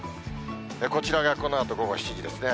こちらがこのあと午後７時ですね。